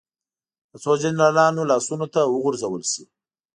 د څو جنرالانو لاسونو ته وغورځول شي.